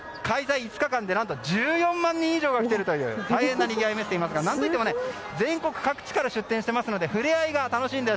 ５日間で何と１４万人以上が来ているという大変なにぎわいを見せていますが何といっても全国各地から出店していますので触れ合いが楽しいんです。